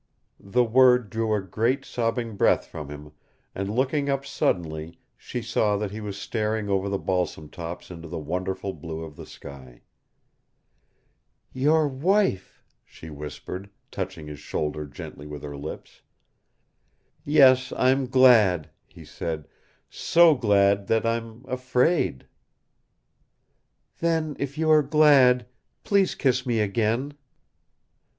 The word drew a great, sobbing breath from him, and looking up suddenly she saw that he was staring over the balsam tops into the wonderful blue of the sky. "Your WIFE," she whispered, touching his shoulder gently with her lips. "Yes, I'm glad," he said. "So glad that I'm afraid." "Then if you are glad please kiss me again."